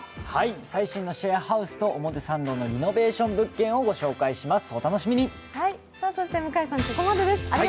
最新のシェアハウスとイノベーション物件をご紹介します。